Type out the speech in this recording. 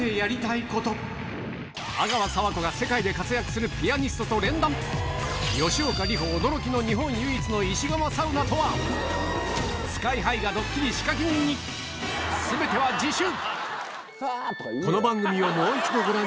阿川佐和子が世界で活躍するピアニストと連弾吉岡里帆驚きの日本唯一のＳＫＹ−ＨＩがドッキリ仕掛け人に全ては次週！